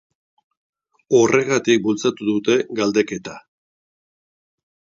Horregatik bultzatu dute galdeketa.